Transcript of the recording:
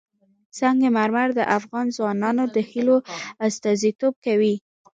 سنگ مرمر د افغان ځوانانو د هیلو استازیتوب کوي.